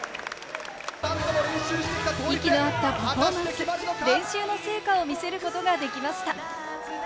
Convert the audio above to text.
息の合ったパフォーマンス、練習の成果を見せることができました。